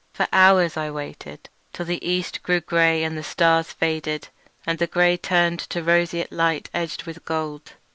For hours I waited, till the east grew grey and the stars faded, and the grey turned to roseal light edged with gold.